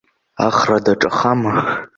Ахра даҿахама?